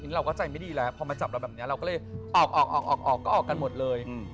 เราก็ใจไม่ดีแล้วพอมาจับเราแบบนี้เราก็เลยออกออกก็ออกกันหมดเลย